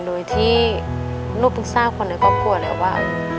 โดยที่หนูภึกทราบคนในครอบครัวแล้วว่า